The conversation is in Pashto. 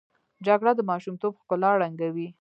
جګړه د ماشومتوب ښکلا ړنګوي